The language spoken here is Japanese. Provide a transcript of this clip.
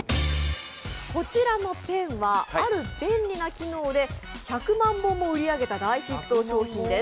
こちらのペンはある便利な機能で１００万本も売り上げた大ヒット商品です。